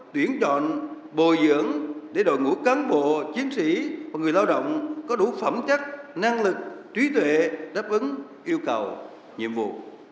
tuyển chọn bồi dưỡng để đội ngũ cán bộ chiến sĩ và người lao động có đủ phẩm chất năng lực trí tuệ đáp ứng yêu cầu nhiệm vụ